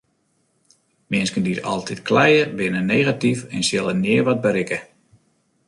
Minsken dy't altyd kleie binne negatyf en sille nea wat berikke.